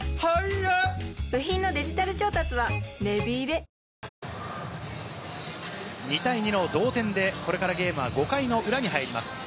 ニトリ２対２の同点でゲームは５回の裏に入ります。